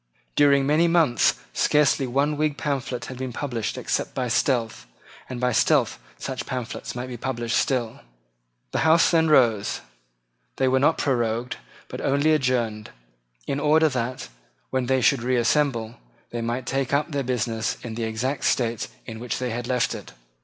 During many months scarcely one Whig pamphlet had been published except by stealth; and by stealth such pamphlets might be published still. The Houses then rose. They were not prorogued, but only adjourned, in order that, when they should reassemble, they might take up their business in the exact state in which they had left it.